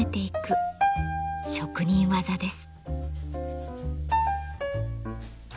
職人技です。